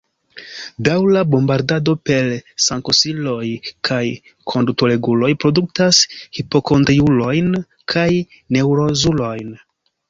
Daŭra bombardado per sankonsiloj kaj kondutoreguloj produktas hipokondriulojn kaj neŭrozulojn.